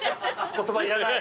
言葉いらない？